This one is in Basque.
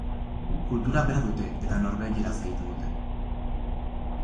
Kultura bera dute eta norvegieraz egiten dute.